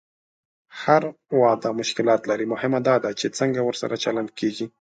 هر واده مشکلات لري، مهمه دا ده چې څنګه ورسره چلند کېږي.